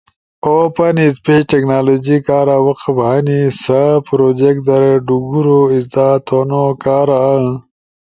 وپن اسپیچ ٹیکنالوجی کارا وقف ہنی۔ سا پروجیکٹ در ڈوگورو ازدا تھونوکارا